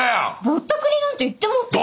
「ぼったくり」なんて言ってません。